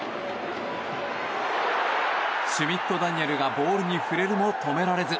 シュミット・ダニエルがボールに触れるも止められず。